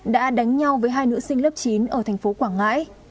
đã đánh nhau với hai nữ sinh lớp chín ở thành phố quảng ngãi